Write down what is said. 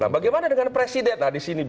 bagaimana dengan presiden